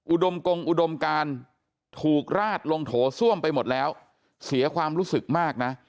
กงอุดมการถูกราดลงโถส้วมไปหมดแล้วเสียความรู้สึกมากนะ